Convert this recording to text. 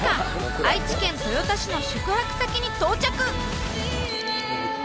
愛知県豊田市の宿泊先に到着！